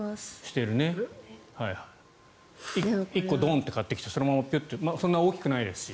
１個、ドンって買ってきてそのままピュッてそんなに大きくないですし。